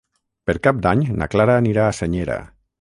Per Cap d'Any na Clara anirà a Senyera.